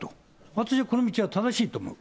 私はこの道は正しいと思う。